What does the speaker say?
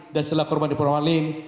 dan setelah dikormalin